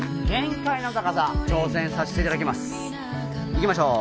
いきましょう。